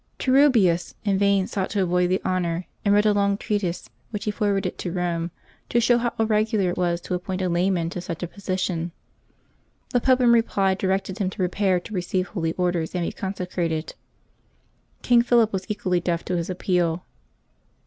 Turribius in vain sought to avoid the honor, and wrote a long treatise, which he forwarded to Rome, to show how irregular it was to appoint a layman to such a position. The Pope, in reply, directed him to prepare to receive Holy Orders and be consecrated. King Philip was equally deaf to his appeal.